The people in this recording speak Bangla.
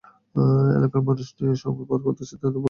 এলাকার মানুষ নিয়ে সময় পার করতে চাই, তাদের পাশে দাঁড়াতে চাই।